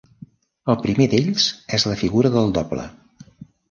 El primer d'ells és la figura del doble.